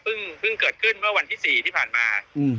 เพิ่งเกิดขึ้นเมื่อวันที่๔ที่ผ่านมา